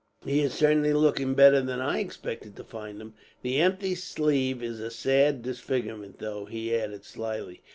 He is certainly looking better than I expected to find him. "That empty sleeve is a sad disfigurement, though," he added slyly.